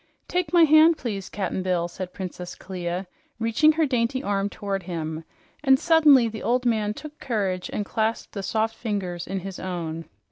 "Take my hand, please, Cap'n Bill," said Princess Clia, reaching her dainty arm toward him; and suddenly the old man took courage and clasped the soft fingers in his own.